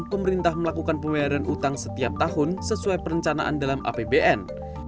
pemerintah melakukan pembayaran utang setiap tahun sesuai perencanaan dalam apbn